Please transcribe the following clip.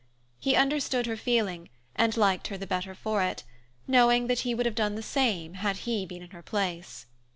He understood her feeling, and liked her the better for it, knowing that he would have done the same had he been in her place.